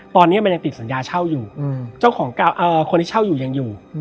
ตอนนี้มันยังติดสัญญาเช่าอยู่เจ้าของคนที่เช่าอยู่ยังอยู่